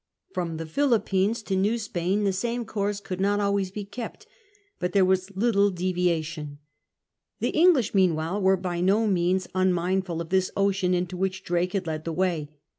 From the Philippines to New Spain the same course could not 1)0 always kept, but there was little deviatioa The English, meanwhile, were by no means unmindful of this ocean, into which Drake had led the way.